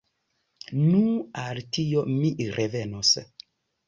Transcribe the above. Nu, al tio mi revenos.